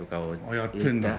やってるんだ。